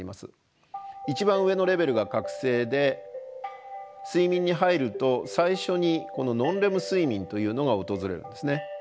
一番上のレベルが覚醒で睡眠に入ると最初にこのノンレム睡眠というのが訪れるんですね。